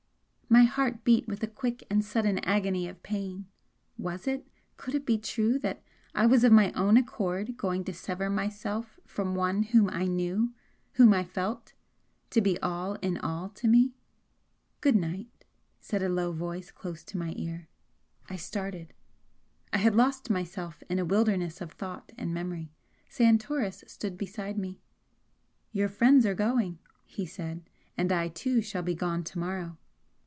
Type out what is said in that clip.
My heart beat with a quick and sudden agony of pain was it, could it be true that I was of my own accord going to sever myself from one whom I knew, whom I felt to be all in all to me? "Good night!" said a low voice close to my ear. I started. I had lost myself in a wilderness of thought and memory. Santoris stood beside me. "Your friends are going," he said, "and I too shall be gone to morrow!"